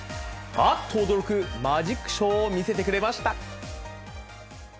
あっと驚くマジックショーを見せてくれました。